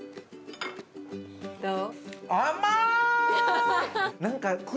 どう？